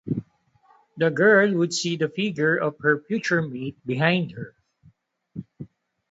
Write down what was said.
The girl would see the figure of her future mate behind her.